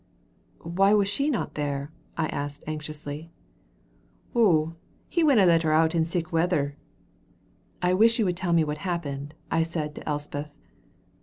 "Why was she not there?" I asked anxiously. "Ou, he winna let her out in sic weather." "I wish you would tell me what happened," I said to Elspeth.